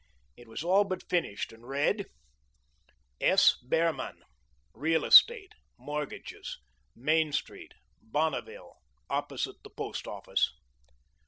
It was all but finished and read, "S. Behrman, Real Estate, Mortgages, Main Street, Bonneville, Opposite the Post Office."